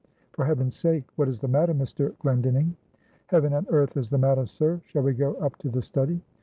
"For heaven's sake, what is the matter, Mr. Glendinning?" "Heaven and earth is the matter, sir! shall we go up to the study?"